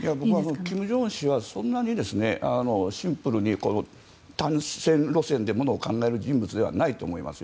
僕は金正恩氏はシンプルに単線路線で物を考える人物ではないと思います。